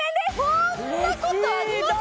こんなことあります？